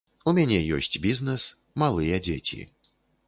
У мяне ёсць бізнэс, малыя дзеці.